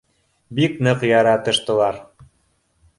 Бик ныҡ яратыштылар